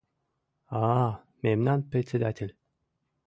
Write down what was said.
— А-а-а... мемнан председатель...